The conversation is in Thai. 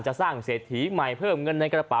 สร้างเศรษฐีใหม่เพิ่มเงินในกระเป๋า